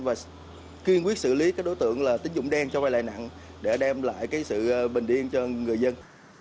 và kiên quyết xử lý các đối tượng tính dụng đen cho vai lại nặng để đem lại sự bình yên cho người dân